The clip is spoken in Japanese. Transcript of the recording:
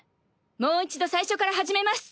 もう一度最初から始めます。